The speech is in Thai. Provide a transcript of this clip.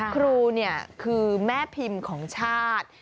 ครูคือแม่พิมพ์ของชาติ